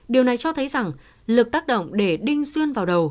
điều này cho thấy rằng lực tác động để đinh xuyên vào đầu